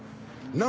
何？